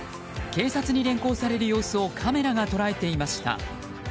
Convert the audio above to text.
警察に連行される様子をカメラが捉えていました。